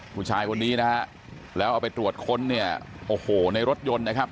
ผู้ชายคนนี้นะฮะแล้วเอาไปตรวจค้นเนี่ยโอ้โหในรถยนต์นะครับ